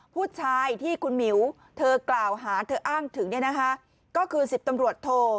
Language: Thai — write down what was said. ผู้ชายที่คุณหมิวเธอกล่าวหาเธออ้างถึงเนี่ยนะคะก็คือ๑๐ตำรวจโท